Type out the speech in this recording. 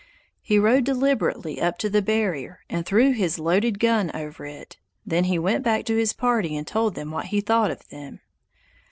He rode deliberately up to the barrier and threw his loaded gun over it; then he went back to his party and told them what he thought of them.